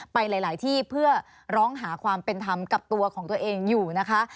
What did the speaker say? ไปหลายที่เพื่อร้องหาความเป็นธรรมกับตัวของตัวเองอยู่นะคะ